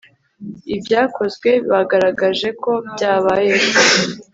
ibyakozwe bagaragaje ko byabayeho